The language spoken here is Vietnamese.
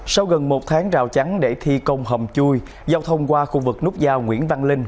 sau gần một tháng rào chắn để thi công hầm chui giao thông qua khu vực nút giao nguyễn văn linh